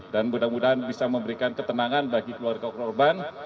dan mudah mudahan bisa memberikan ketenangan bagi keluarga korban